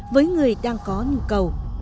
với người đang có nhu cầu